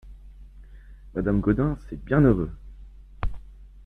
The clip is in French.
Madame Gaudin C'est bien heureux !